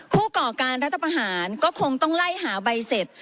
ก่อการรัฐประหารก็คงต้องไล่หาใบเสร็จ